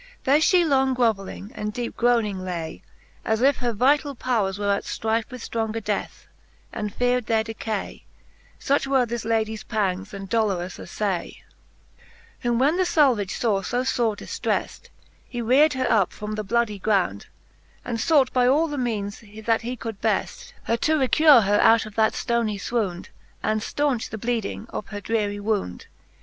There fhe long groveling, and deepe groning lay. As if her vitall powers were at flrife With flronger death, and feared their decay ; Such were this ladle's pangs and dolorous affay, VI. Whom Canto V. the Faerie Slueene, 273 VI. Whom when the falvage faw fo fore diftreft, He reared her up from the bloudie ground, And fought by all the means, that he could beft, Her to recure out of that ftony fwound, And ftaunch the bleeding of her dreary wound.